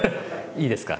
いいですか？